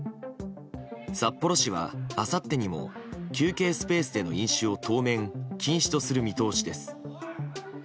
札幌市はあさってにも休憩スペースでの飲酒を当面、禁止とする見通しです。